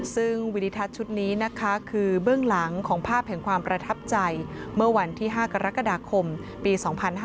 ซึ่งวิดิทัศน์ชุดนี้นะคะคือเบื้องหลังของภาพแห่งความประทับใจเมื่อวันที่๕กรกฎาคมปี๒๕๕๙